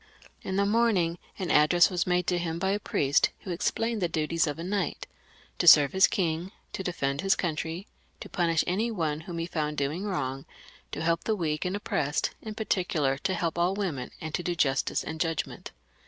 In the morning an address was made to him by a priest, who explained the duties of a knight — ^to serve his king, to xiiij PHILIP L 76 defend his country, to punish any one whom he found doing wrong, to help the weak and oppressed, in particular to help all women, and to do justice and judgment.